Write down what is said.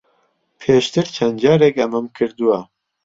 پێشتر چەند جارێک ئەمەم کردووە.